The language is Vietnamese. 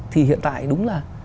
thì hiện tại đúng là